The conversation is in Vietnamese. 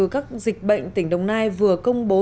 các dịch bệnh tỉnh đồng nai vừa công bố